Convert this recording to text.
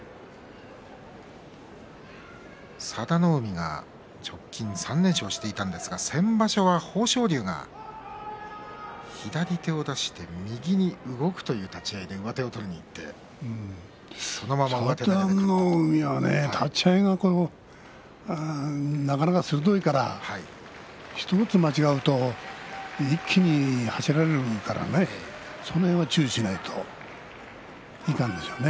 佐田の海が直近３連勝していたんですが先場所は豊昇龍が左手を出して右に動くという立ち合いで上手を取りにいって佐田の海は立ち合いがなかなか鋭いから１つ間違うと一気に走られるからねその辺は注意しないといかんでしょうね。